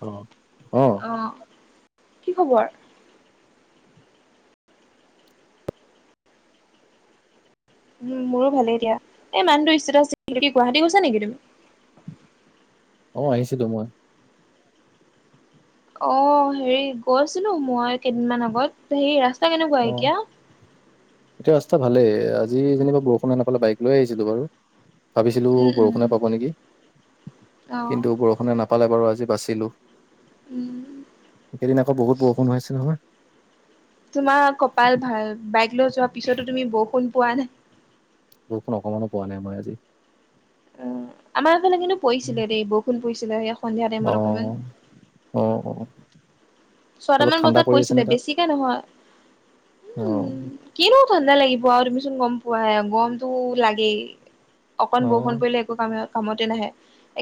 অ', অ কি খবৰ। উম মোৰো ভালেই দিয়া। এই মানুহটো ই্স্তেটাছ আছিল কি গুৱাহাটী গৈছা নেকি তুমি। অ আহিছিলো মই। অ হেৰি গৈছিলো মই কেইদিনমান আগত হেৰি ৰাস্তা কেনেকুৱা অ', এতিয়া। এতিয়া ৰাস্তা ভালেই আজি যেনিবা বৰষুণে নেপালে বাইক লৈ আহিছিলো বাৰু। ভাবিছিলো উম, উম, বৰষুণে পাব নেকি অ', কিন্তু বৰষুণ। মানে নাপালে বাৰু আজি বাচিলোঁ উম। এইকেইদিন আকৌ বহুত বৰষুণ হৈ আছিল নহয়। তোমাৰ কপাল ভাল বাইক লৈ যোৱাৰ পিছতো তুমি বৰষুণ পোৱা নাই। বৰষুণ অকমানো পোৱা নাই মই আজি। উম আমাৰ ইফালে কিন্তু পৰিছিলে দেই বৰষুণ পৰিছিলে এয়া সন্ধিয়া টাইমত অকমান। অ', অ অ। অলপ ছয়টামান ঠাণ্ডা বজাত পৰি পৰিছিলে আছেনে তাত বেছিকে নহয়। অ। উম, কিনো ঠাণ্ডা লাগিব তুমিচোন গম পোৱাই গৰমটো লাগেই। অকণ বৰষুণ অ', পৰিলে একো কাম কামতে নাহে।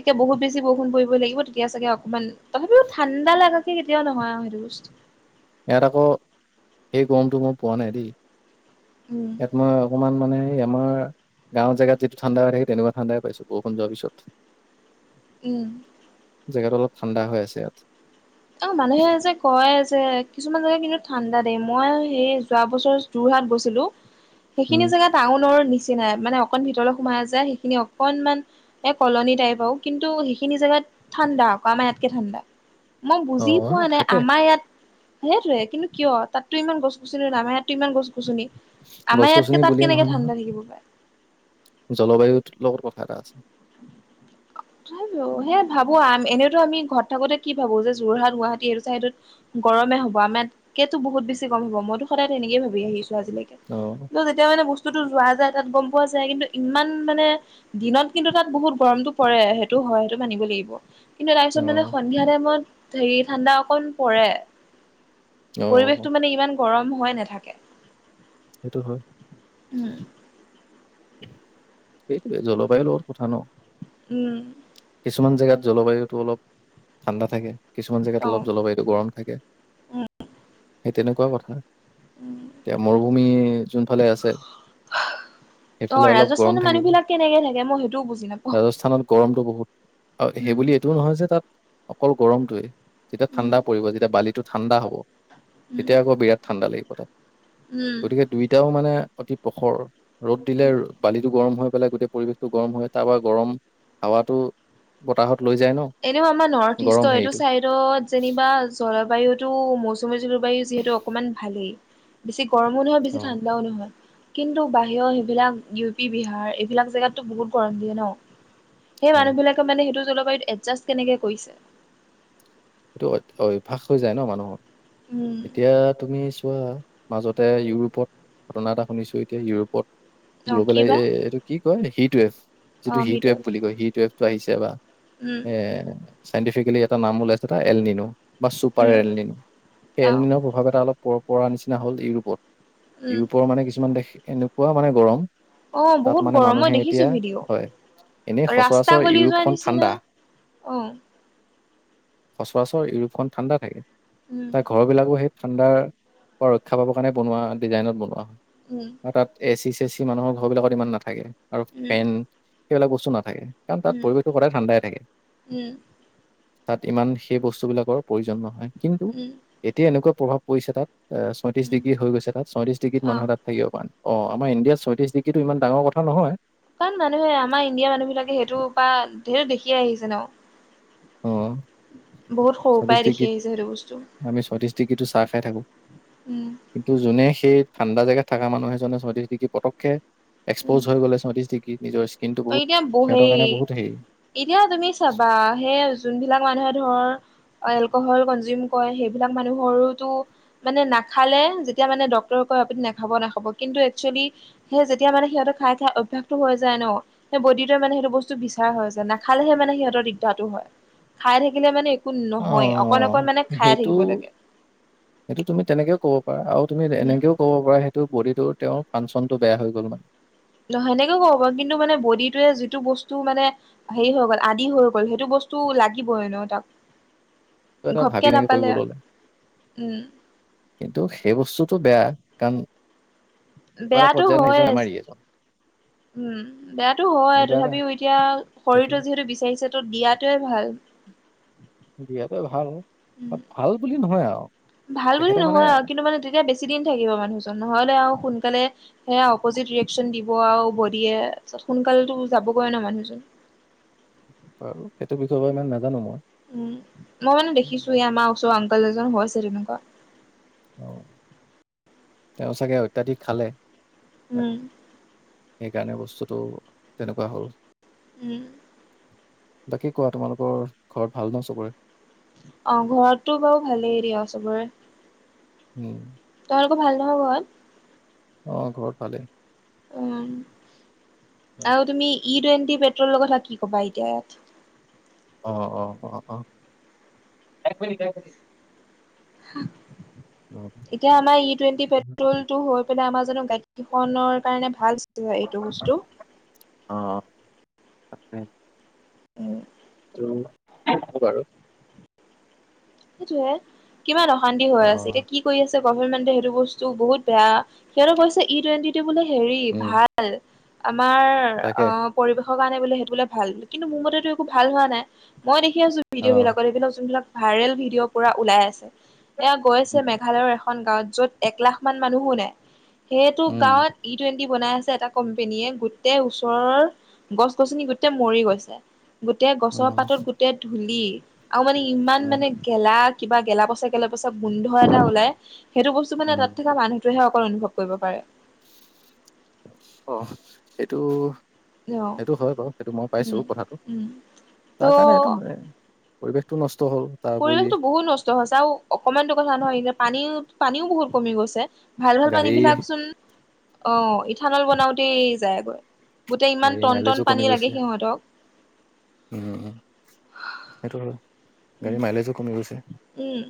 একে বহুত বেছি বষুণ পৰিব লাগিব তেতিয়া চাগে অকমান তথাপিও ঠাণ্ডা লাগাকে কেতিয়াও নহয় আৰু সেইটো বস্তু। ইয়াত আকৌ সেই গৰমটো মই পোৱা নাই দেই উম, ইয়াত মই। অকমান মানে আমাৰ গাঁৱৰ জেগাত যিটো ঠাণ্ডা হৈ থাকে তেনেকুৱা ঠাণ্ডাই পাইছো বৰষুণ যোৱাৰ পিছত। [inaudible] উম। জেগাটো অলপ ঠাণ্ডা হৈ আছে। অহ মানুহে যে। কয় যে কিছুমান জেগা কিন্তু ঠাণ্ডা দেই মই সেই যোৱা বছৰ যোৰহাট গৈছিলো। [inaudible] সেইখিনি জেগা টাউনৰ নিচিনাই মানে অকণমান ভিতৰলৈ সোমাই যায় সেইখিনি অকনমান। এ কলনী টাইপ আৰু কিন্তু সেইখিনি জেগাত ঠাণ্ডা আকৌ আমাৰ ইয়াতকে ঠাণ্ডা। মই বুজি পোৱা অ', নাই থাকে আমাৰ ইয়াত। সেইটোৱে কিন্তু কিয় তাততো ইমান গছ গছনি নাই আমাৰ ইয়াততো ইমান গছ গছনি। আমাৰ গছ গছনি ইয়াতকে তাত কেনেকে ঠাণ্ডা থাকিব পাৰে। জলবায়ু টো লগত কথা এটা আছে। সেইয়া ভাবো আ এনেইতো আমি ঘৰত থাকোতে কি ভাবো যে যোৰহাট গুৱাহাটী এইটো চাইডত, গৰমেই হ'ব আমাত কেইতো বহুত বেছি গৰম হ'ব মইতো সদায় তেনেকে ভাবি আহিছোঁ আজিলৈকে। অ'। কিন্তু যেতিয়া মানে বস্তুতটো যোৱা যায় তাত গ'ম পোৱা যায় কিন্তু ইমান মানে দিনত, কিন্তু তাত বহুত গৰমটো পৰে সেইটো হয় সেইটো মানিব লাগিব কিন্তু তাৰ পিছত মানে অ', সন্ধিয়া টাইমত হেৰি ঠাণ্ডা অকণ পৰে, অ', পৰিৱেশটো মানে ইমান, গৰম হৈ নাথাকে। সেইটো হয়। উম। সেইটোৱে জলবায়ুৰ লগত কথা ন'। উম কিছুমান জেগাত জলবায়ুটো অলপ ঠাণ্ডা থাকে কিছুমান জেগাত অলপ জলবায়ু গৰম থাকে, অ সেই তেনেকুৱা কথা অ এতিয়া মোৰ ভূমি যোন ফালে আছে। অ' সেইফালে অলপ গৰম ৰাজস্থানৰ থাকিব। মানুহ বিলাক কেনেকে থাকে মই সেইটোও বুজি নাপাওঁ। ৰাজস্থানত গৰমটো বহুত, আৰু সেই উম বুলি এইটোও নহয় যে তাত অকল গৰমটোৱেই। যেতিয়া উম ঠাণ্ডা পৰিব যেতিয়া বালিটো ঠাণ্ডা হ'ব, উম তেতিয়া আকৌ বিৰাট ঠাণ্ডা লাগে। উম গতিকে দুইটাও মানে অতি প্ৰখৰ ৰ'দ দিলে উম বালিটো গৰম হৈ পেলাই গোটেই পৰিৱেশটো গৰম হৈ তাৰপৰা গৰম হাৱাটো বতাহত লৈ যায় ন'। এনেও আমাৰ নৰ্থ গৰম ইষ্টৰ এইটো হেৰিটো চাইড তত যেনিবা জলবায়ুটো মৌচুমী জলবায়ু যিহেতু অকমান ভালেই। বেছি গৰমো নহয় অ বেছি ঠাণ্ডাও নহয়। কিন্তু বাহিৰৰ সেইবিলাক ইউ পি, বিহাৰ এইবিলাক জেগাতো বহুত গৰম দিয়ে ন'। সেই হয় মানুহ বিলাকে মানে সেইটো জলবায়ু এজাষ্ট কেনেকে কৰিছে। এইটো অভ অভ্যাস হৈ যায় ন' মানুহৰ। উম। এতিয়া তুমি চোৱা মাজতে ইউৰোপত ঘটনা এটা শুনিছো এতিয়া ইউৰোপত, অ কি গ্ল'বেলাইজ বা এইটো কি কয় হিট ৱেফ অ যিটো হিট ৱেফ সেইটোৱে বুলি কয় হিট ৱেফটো আহিছে এবাৰ। উম এ চাইণ্টিফিকেলি এটা নাম ওলাইছে এটা এলনিনো। বা ছুপাৰ উম এললিন, অ এললিনৰ প্ৰভাৱ এটা অলপ পৰ পাৰ নিচিনা হ'ল ইউৰোপত। উম ইউৰোপৰ মানে কিছুমান দেশ এনেকুৱা মানে গৰম। অ' তাত বহুত মানে গৰমত মানুহে দেখিছো এতিয়া ভিডিঅ', হয় এনেই ৰাস্তা সচৰাচৰ গলি যোৱা ইউৰোপখন ঠাণ্ডা নিচিনা। অ'। সচৰাচৰ ইউৰোপখন ঠাণ্ডা উম থাই ঘৰবিলাকো সেই ঠাণ্ডাৰ পৰা ৰক্ষা পাবৰ কাৰণে বনোৱা ডিজাইনত বনোৱা হয়। উম। আৰু তাত এ চি চেচি মানুহৰ ঘৰ বিলাকত ইমান নাথাকে আৰু উম ফেন সেইবিলাক বস্তু নাথাকে। কাৰণ তাত পৰিৱেশটো সদায় ঠাণ্ডাই থাকে। হম। তাত ইমান সেই বস্তুবিলাকৰ প্ৰয়োজন নহয় কিন্তু উম এতিয়া এনেকুৱা প্ৰভাৱ পৰিছে তাত। অ' উম ছয়ত্ৰিশ হৈ গৈছে তাত ছয়ত্ৰিশ ডিগ্ৰীত অ মানুহে তাত থাকিব পাৰা নাই অ' আমাৰ ইণ্ডিয়াৰ ছয়ত্ৰিশ ডিগ্ৰীটো ইমান ডাঙৰ কথা নহয়। কাৰণ মানুহে আমাৰ ইণ্ডিয়াৰ মানুহ বিলাকে সেইটোৰ পা সেইটো দেখিয়াই আহিছে ন'। অ'। বহুত সৰু ছয়ত্ৰিশ পাই দেখি ডিগ্ৰীত আহিছো সেইটো বস্তু। আমি ছয়ত্ৰিশ ডিগ্ৰীটো চাহ খাই থাকোঁ। উম। কিন্তু যোনে সেই ঠাণ্ডা জেগাত থকা মানুহ এজনে ছয়ত্ৰিশ ডিগ্ৰী পতকে। এক্সপ'জ হৈ গ'লেিগ্ৰী নিজৰ স্কিনটো। অ বহুত এতিয়া সিহঁতৰ বহেই। কাৰণে বহুত হেৰি এতিয়া তুমি চাবা সেই যোনবিলাক মানুহে ধৰ। এলকহল কনজিউম কৰে সেইবিলাক মানুহৰোটো। মানে নাখালে যেতিয়া মানে ড্ক্তৰক কয় আপুনি নাখাব নাখাব কিন্তু একচুৱেলি। সেই যেতিয়া মানে সিহঁত খাই খাই অভ্যাসটো হৈ যায় ন। সেই বডিটে মানে সেইটো বস্তু বিচাৰ হৈ যে নাখালেহে মানে সিহঁতৰ দিগদাৰটো হয় খাই থাকিলে মানে। কি নহয় অকন অ' অকন মানে খাই সেইটো থাকিব লাগে। সেইটো তুমি তেনেকও ক'ব পাৰা আৰু তুমি উম এনেকেও। ক'ব পৰা সেইটো বডি তো তেওঁৰ ফাংচনতটো বেয়া হৈ গ'ল মানে। ন সেনেকে ক'ব পাৰু কিন্তু মানে বডিটোৱে যিটো বস্তু মানে। হেৰি হৈ গ'ল আদি হৈ গ'ল সেইটো বস্তু লাগিবইে ন তাক। ঘপকে [unintelligible] নাপালে কৰিব ল'লে। উম কিন্তু সেই বস্তুটো বেয়া কাৰণ। এনেকুৱা এটা বেয়াটো পৰ্যায়ত হয়ে। সেইজন বেমাৰী এজন উম, বেয়াতো হয় এনেকুৱা এটা তথাপিও এতিয়া সেইটোৱে শৰীৰটোয়ে যিহেতু বিচাৰিছে। টো দিয়াতোৱে ভাল। দিয়াটোৱে ভাল বা উম ভাল বুলি নহয় আও। ভাল বুলি নহয় আও কিন্তু মানে তেতিয়া বেছি দিন থাকিব মানুহজন নহ'লে আও সোনকালে। সেয়া অপজিত ৰিয়কশচন দিব আৰু বডিয়ে তত সোনকালেটো যাবগৈ ন মানুহজন। ব সেইটো বিষয়ে ইমান নাজানো মই। উম মই মানে দেখিছো এই আমাৰ ওচৰৰ আঙকল এজন হৈ আছে তেনেকুৱা। অ তেওঁ চাগে অত্যাধিক খালে। উম সেইকাৰণে বস্তুটো তেনেকুৱা হ'ল। উম। বাকী কোৱা তোমালোকৰ ঘৰত ভাল ন চবৰে। অ ঘৰতটো বাৰু ভালেই দিয়া চবৰে। উম। তোমালোক ভাল নহয় ঘৰত। অ ঘৰত ভালে। উম অ আৰু তুমি ই টুৱেণ্টি পেট্ৰলৰ কথা কি ক'বা এতিয়া ইয়াত। অ অ অ অ এক মিনিট এক মিনিট। অ। তিয়া আমাৰ ই টুৱেন্টি পেট্ৰল টো হৈ পেলাই আমাৰ জানো গাডীখনৰ কাৰণে ভাল। টো হয় এইটো বস্তু। অ। উম টো হব বাৰু। সেইটোয়ে কিমান অশান্তি হৈ অ আছে এতিয়া কি। কৰি আছে গভমেণ্টে সেইটো বস্তু বহুত বেয়া সিহঁতে কৈছে। ই টুৱেণ্টি টো মানে সেৰি, উম ভাল! আমাৰ তাকে অ'! পৰিৱেশৰ কাৰণে বোলে, সেইটো বোলে ভাল। কিন্তু, মোৰ মতেতো একো ভাল হোৱা নাই। মই দেখি আছোঁ, অ ভিডিঅ বিলাকত, এইবিলাক যোন বিলাক, ভাইৰেল ভিডিঅ' পূৰা ওলাই আছে। এইয়া, গৈছে উম মেঘালয়ৰ এখন, এখন গাঁৱত য'ত, এক লাখ মান মানুহো নাই। সেইটো উম গাঁৱত, ই টু বনাই আছে, এটা কোম্পনীয়ে। গোটেই ওচৰৰ গছ- গছনি গোটেই মৰি, গৈছে। গোটেই গছৰ উম পাতত, গোটেই ধূলি। আৰু মানে, ইমান মানে, গেলা, কিবা গেলা-পচা, গেলা-পচা, গোন্ধ এটা ওলাই। সেইটো বস্তু মানে, উম তাত থকা মানুহ টোহে অকল অনুভৱ কৰিব পাৰে। অ'! সেইটো, অ' সেইটো হয় বাৰু সেইটো মই পাইছোঁ উম, কথাটো। উম। ত' তাৰ কাৰণে এইটো, পৰিৱেশটো নষ্ট হ'ল। তাৰ উপৰি পৰিৱেশটো বহুত নষ্ট হৈছে। আৰু অকণমানটো কথা নহয়, পানী -পানীও বহুত কমি গৈছে। ভাল- ভাল গাড়ী পানী বিলাকচোন অ'! ইথানল বনাওতেই যায়গৈ। গোটেই, ইমান গাড়ীৰ টন- মাইলেজো টন পানী লাগে, সিহঁতক। অ'! সেইটো হয়। গাড়ীৰ মাইলেজো কমি গৈছে। উম।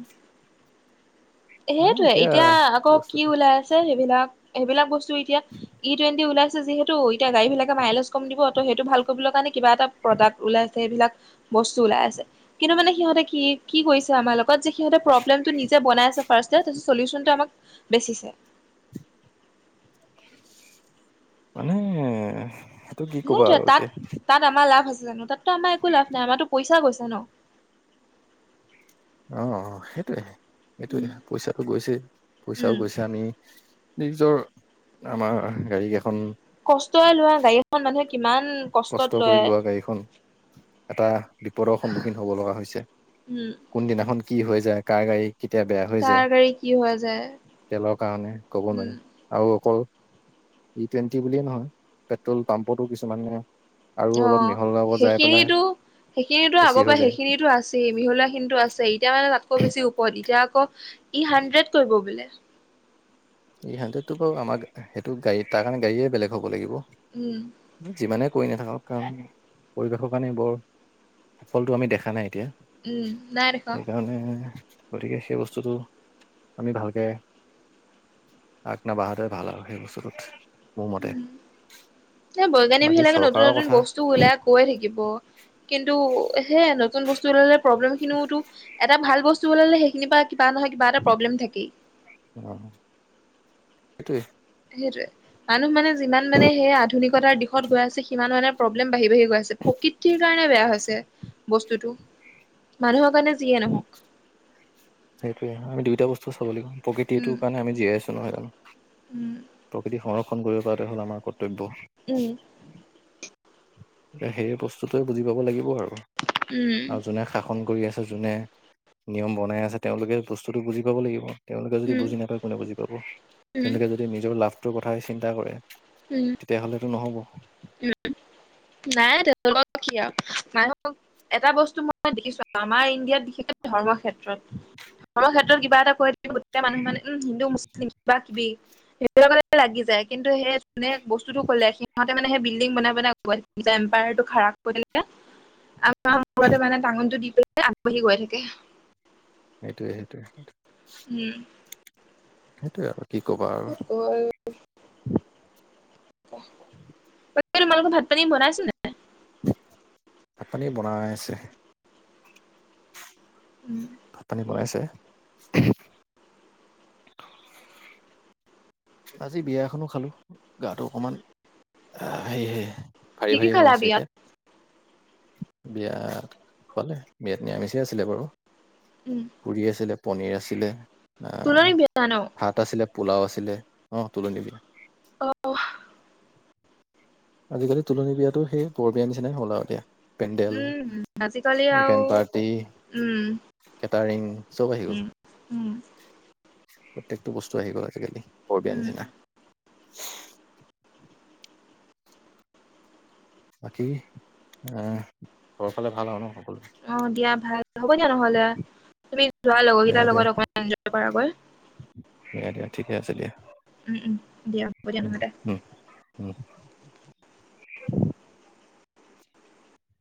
সেইটোৱে! এতিয়া, আকৌ কি বস্তুটো ওলাই আছে? সেইবিলাক-সেইবিলাক বস্তু। এইটো এতিয়া, ই টুৱেণ্টি ওলাইছে যিহেতু, এতিয়া গাড়ী বিলাকে মাইলেজ কম দিব। ত' সেইটো ভাল কৰিবলৈ কাৰণে, কিবা এটা প্ৰডাক্ট ওলাইছে, সেইবিলাক। বস্তু ওলাই আছে। কিন্তু মানে, সিহঁতে কি -কি কৰিছে, আমাৰ লগত লগত যে, সিহঁতে প্ৰব্লেম নিজে বনাই আছে। চলিউচনটো আমাক বেচিছে। মানে, কি ক'বা সেইটোৱে! আৰু তাত, এতিয়া তাত আমাৰ লাভ আছে জানোঁ? তাততো, আমাৰ একো লাভ নাই, আমাৰতো পইচা গৈছে ন'। অ' অ'! সেইটোৱে-সেইটোৱে, উম পইচাটো গৈছে, পইচাও উম গৈছে। আমি, নিজৰ, আমাৰ গাড়ী এখন কষ্টৰে লোৱা গাড়ীখন, মানুহে কিমান কষ্টত কষ্ট কৰি লয় লোৱা গাড়ীখন, এটা বিপদৰ সন্মুখীন হ'ব লগা হৈছে। উম কোনদিনাখন কি হৈ যায়, কাৰ গাড়ী! কেতিয়া বেয়া হৈ কাৰ যায়! গাড়ী কি হৈ যায় তেলৰ কাৰণে, ক'ব নোৱাৰি। উম আৰু অকল, ই টুৱেণ্টি বুলিয়েই নহয়, পেট্ৰল পাম্পটো কিছুমান মানে, অ'! সেইখিনিটো -সেইখিনিটো, বেছি আগৰ পৰা হৈ যায় সেইখিটো আছে। মিহলোৱা খিনিটো আছে। এতিয়া মানে, তাতকৈ বেছি ওপৰত। এতিয়া, আকৌ ই হাণ্ড্ৰেড কৰিব বোলে। এই হণ্ড্ৰেডটো বাৰু আমাক, সেইটো গাড়ী, তাৰ কাৰণে, গাড়ীয়ে বেলেগ হ'ব লাগিব। উম। যিমানে কৰি নাথাকক কাম। পৰিৱেশৰ কাৰণে, বৰ, সফলটো আমি দেখা নাই, এতিয়া। উম নাই দেখা সেইকাৰণে, গতিকে, সেই বস্তুটো, আমি ভালকে আগ নাবঢ়াটোৱে ভাল আৰু সেই বস্তুটোত। মোৰ মতে উম, এই বৈজ্ঞানিক বাকী বিলাকে, নতুন- চৰকাৰৰ নতুন কথা বস্তু উলিয়াওক। হয়য়ে থাকিব। কিন্তু, সেই নতুন বস্তু ওলালে প্ৰব্লেমখিনিওটো, এটা ভাল বস্তু ওলালে, সেইখিনিৰ পৰা কিবা নহয়, কিবা এটা প্ৰব্লেম থাকেই। অ'! সেইটোৱে। সেইটোৱে, মানুহ মানে, যিমান মানে, সেই আধুনিকতাৰ দিশত গৈ আছে, সিমান মানে, প্ৰব্লেম বাঢ়ি- বাঢ়ি গৈ আছে। প্ৰকৃতিৰ কাৰণে বেয়া হৈছে, বস্তুটো। মানুহৰ কাৰণে, যিয়ে নহওঁক। সেইটোৱে, হয়। আমি দুইটা বস্তু চাব লাগিব, উম প্ৰকৃতিটোৰ কাৰণে, আমি জীয়াই আছোঁ নহয় জানোঁ! উম প্ৰকৃতি সংৰক্ষণ কৰিব পৰাটোৱে, হ'ল আমাৰ কৰ্তব্য। উম। সেই বস্তুটো বুজি পাব লাগিব আৰু উম আও যোনে খাক খন কৰি আছে, যোনে নিয়ম বনাই আছে, তেওঁলোকে বস্তুটো বুজি পাব লাগিব। তেওঁলোকে যদি উম বুজি নাপায় কোনে বুজি পাব? উম তেওঁলোকে যদি নিজৰ লাভটোৰ কথাই চিন্তা কৰে উম। তেতিয়া হ'লেটো নহ'ব। উম নাই তেনেকোৱানো কিয় আও নাই এটা বস্তু মই দেখিছো আমাৰ ইণ্ডিয়াত বিশেষকে ধৰ্ম ক্ষেত্ৰত। ধৰ্মৰ ক্ষেত্ৰত কিবা এটা কৈ গোটকেই মানুহ খনে উম, হিন্দু মুছলিম কিবা কিবি, সেই [unintelligible] লাগি যায়। কিন্তু সেই যোনে বস্তুটো ক'লে সিহঁত মানে সেই বিল্ডিং বনাই বনাই [unintelligible] জাম্পায়াৰটো খাৰপ কৰি দিলে আ তাৰ মূৰতে মানে, টাঙনটো দি পেলাই আগবাঢ়ি গৈ থাকে। সেইটোয়ে সেইটোয়ে সেইটো উম। সেইটোয়ে আৰু কি ক'বা আৰু। অঁঅ। [unintelligible] য়া তোমালোকৰ ভাত পানী বনাইছা নাই? ভাত পানী বনাই আছে। উম। ভাত পানী বনাইছে? আজি বিয়া এখনো খালো। গাটো অকণমান এই সেই সেই ভাৰী কি কি ভাৰী হৈ খালা আছে বিয়াত এতিয়া। বিয়াত খোৱালে বিয়াত নিৰামিষেই আছিলে বাৰু, উম। পুৰি আছিলে, পনীৰ আছিলে, তুলনি বিয়া ন ভাত আছিলে পোলাও আছিলে। অঁ, তোলনি বিয়া। অঁ অহ। আজিকালি তোলনী বিয়াটো সেই বৰ বিয়াৰ নিচিনাই হ'ল আও এতিয়া। পেণ্ডেল, উম আজিকালি আৰু ইভেণ্ট পাৰ্টি। উম কেটাৰিং, চ'ব আহিব। উম উম প্ৰত্যেকটো বস্তু আহি গ'ল আজিকালি বৰ বিয়া উম নিচিনা। বাকী এহ, ঘৰৰ ফালে ভাল হয় ন সকলোৱে? অঁ, দিয়া ভাল হ'ব দিয়া নহ'লে তুমি যোৱা লগৰ দিয়া কেইটাৰ দিয়া লগত অকমান এঞ্জয় কৰাগৈ। দিয়া দিয়া ঠিকে আছে দিয়া। উম উম দিয়া হ'ব দিয়া নহ'লে উম উম।